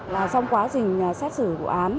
là trong quá trình xét xử vụ án